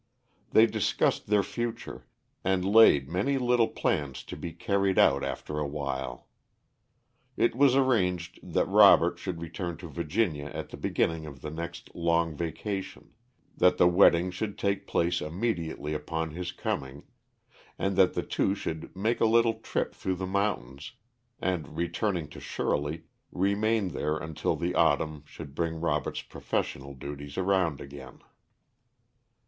They discussed their future, and laid many little plans to be carried out after awhile. It was arranged that Robert should return to Virginia at the beginning of the next long vacation; that the wedding should take place immediately upon his coming; and that the two should make a little trip through the mountains and, returning to Shirley, remain there until the autumn should bring Robert's professional duties around again.